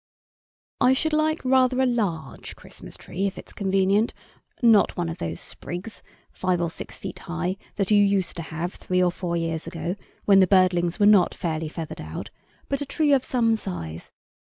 I should like rather a LARGE Christmas tree, if it's convenient not one of those 'sprigs,' five or six feet high, that you used to have three or four years ago, when the birdlings were not fairly feathered out, but a tree of some size.